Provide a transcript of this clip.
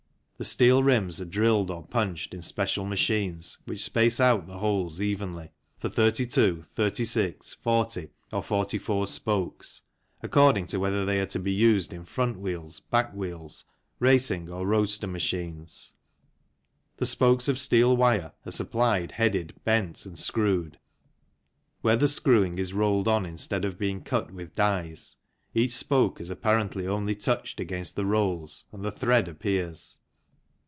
The steel rims are drilled or punched in special machines which space out the holes evenly, for 32, 36, 40, or 44 spokes, according to whether they are to be used in 38 THE CYCLE INDUSTRY front wheels, back wheels, racing or roadster machines. The spokes of steel wire are supplied headed, bent, and screwed. Where the screwing is rolled on instead of being cut with dies, each spoke is apparently only touched against the rolls and the thread appears.